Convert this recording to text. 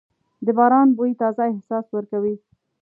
د باران بوی تازه احساس ورکوي.